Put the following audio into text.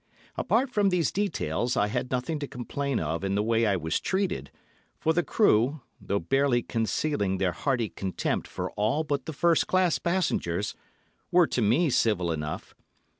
Apart from these details I had nothing to complain of in the way I was treated, for the crew—though barely concealing their hearty contempt for all but the first class passengers—were to me civil enough.